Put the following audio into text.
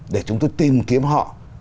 để chúng tôi tìm kiếm họ